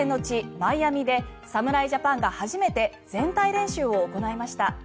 マイアミで侍ジャパンが初めて全体練習を行いました。